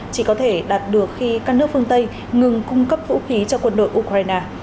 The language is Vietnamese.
chỉ có thể đạt được khi các nước phương tây ngừng cung cấp vũ khí cho quân đội ukraine